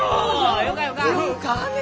よかねえ！